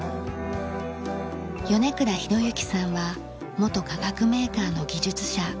米倉博幸さんは元化学メーカーの技術者。